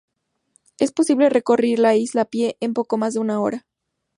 Es posible recorrer la isla a pie en poco más de una hora.